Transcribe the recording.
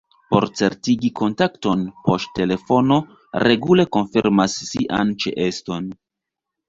Por certigi kontakton poŝtelefono regule konfirmas sian ĉeeston.